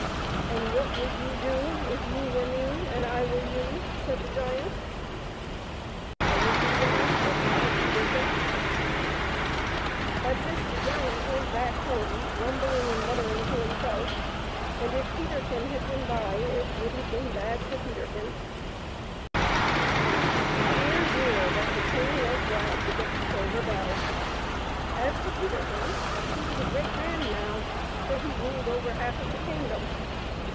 " And what would you do if you were me and I were you ?" said the giant. " I would do what I could," said Peterkin. At this the giant went back home, grumbling and muttering to himself, and if Peterkin had been by it would have been bad for Peterkin. tUrkinlninBt^^UttU fSiU I86 PETERKIN AND THE LITTLE GREY HARE. Dear, dear ! but the king was glad to get the silver bell ; as for Peterkin, he was a great man now, for he ruled over half of the kingdom.